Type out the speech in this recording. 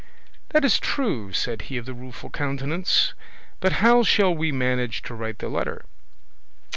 "That is true," said he of the Rueful Countenance, "but how shall we manage to write the letter?"